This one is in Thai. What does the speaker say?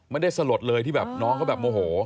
ไม่ได้สลดเลยที่แบบน้องก็แบบโมโห